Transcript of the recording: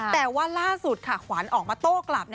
แต่ว่าล่าสุดค่ะขวัญออกมาโต้กลับ